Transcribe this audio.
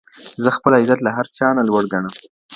زه خپل عزت له هر چا نه لوړ ګڼم.